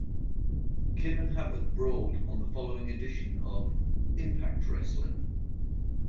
Kim and Havok brawled on the following edition of "Impact Wrestling".